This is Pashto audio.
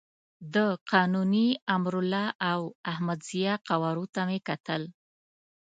د قانوني، امرالله او احمد ضیاء قوارو ته مې کتل.